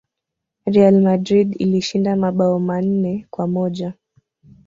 real madrid ilishinda mabao manne kwa moja